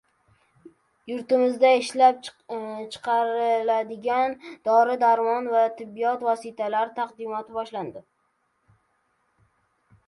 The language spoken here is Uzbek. Yurtimizda ishlab chiqariladigan dori-darmon va tibbiyot vositalari taqdimoti boshlandi.